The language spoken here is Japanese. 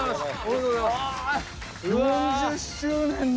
４０周年の。